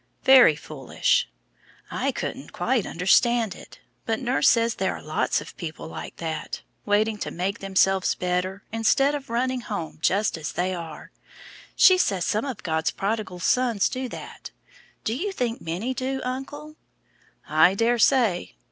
"Very foolish." "I couldn't quite understand it, but nurse says there are lots of people like that, waiting to make themselves better, instead of running home just as they are. She says some of God's prodigal sons do that; do you think many do, uncle?" "I daresay."